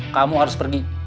kamu harus pergi